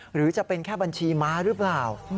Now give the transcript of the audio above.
หรือจะเป็นแค่บัญชีม้าหรือเปล่า